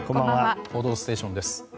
「報道ステーション」です。